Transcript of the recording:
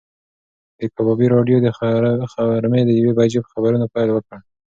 د کبابي راډیو د غرمې د یوې بجې په خبرونو پیل وکړ.